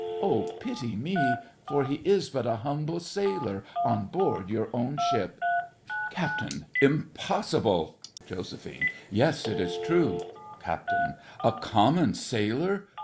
Oh, pity me, for he is but a humble sailor on board your own ship! CAPT. Impossible! JOS. Yes, it is true. CAPT. A common sailor?